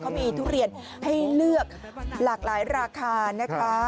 เขามีทุเรียนให้เลือกหลากหลายราคานะคะ